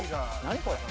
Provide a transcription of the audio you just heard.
何これ？